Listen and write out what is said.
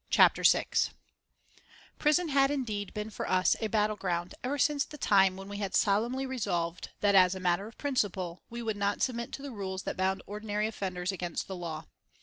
CHAPTER VI Prison had indeed been for us a battle ground ever since the time when we had solemnly resolved that, as a matter of principle, we would not submit to the rules that bound ordinary offenders against the law.